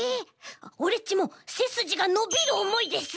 オレっちもせすじがのびるおもいです。